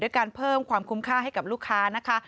การเพิ่มความคุ้มค่าให้กับลูกค้านะคะ